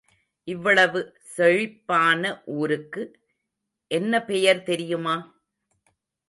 இவ்வளவு செழிப்பான ஊருக்கு என்ன பெயர் தெரியுமா?